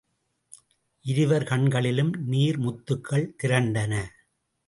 இருவர் கண்களிலும் நீர் முத்துக்கள் திரண்டன.